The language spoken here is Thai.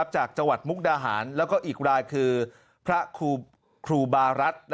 จากจังหวัดมุกดาหารแล้วก็อีกรายคือพระครูบารัฐ